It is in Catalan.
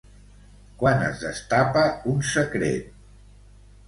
Quan es destapa un secret?